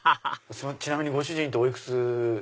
ちなみにご主人おいくつ？